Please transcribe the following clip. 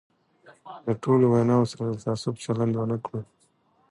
له ټولو ویناوو سره د تعصب چلند ونه کړو.